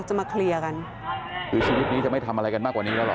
เหมือนเขาแคลร์อะไรกับผมนี่แหละ